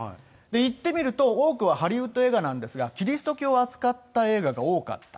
行ってみると多くはハリウッド映画なんですが、キリスト教を扱った映画が多かった。